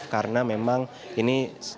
karena memang ini